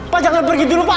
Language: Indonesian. pak jangan pergi dulu pak